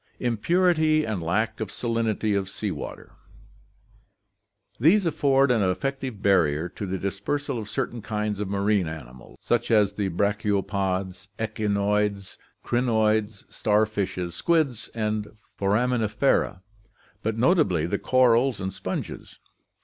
Impurity and Lack of Salinity of Seawater. — These afford an effective barrier to the dispersal of certain kinds of marine animals, such as the brachiopods, echinoids, crinoids, starfishes, squids, and foraminifers, but notably the corals and sponges.